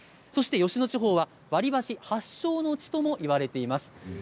そして吉野地方は割り箸発祥の地ともいわれています。